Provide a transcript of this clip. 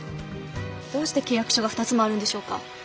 どうして契約書が２つもあるんでしょうか？